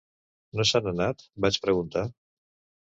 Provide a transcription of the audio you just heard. "Se n'han anat?", vaig preguntar.